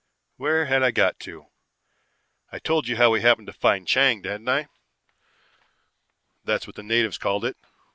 "Where had I got to? I'd told you how we happened to find Chang, hadn't I? That's what the natives called it.